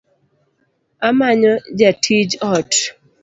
Amanyo jatiij ot